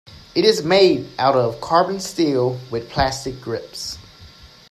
It is made out of carbon steel with plastic grips.